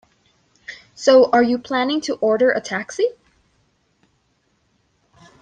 So, are you planning to order a taxi?